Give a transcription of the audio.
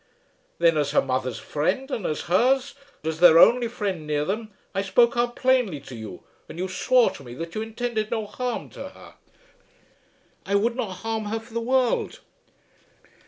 Then as her mother's friend, and as hers, as their only friend near them, I spoke out plainly to you, and you swore to me that you intended no harm to her." "I would not harm her for the world."